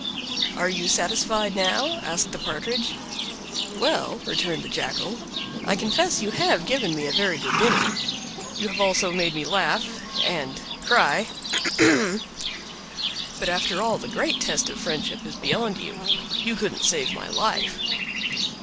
"Are you satisfied now?" asked the Partridge. "Well," returned the Jackal, "I confess you have given me a very good dinner; you have also made me laugh—and cry—ahem! But, after all, the great test of friendship is beyond you—you couldn't save my life!"